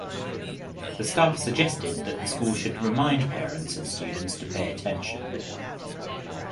The staff suggested that the school should remind parents and students to pay attention.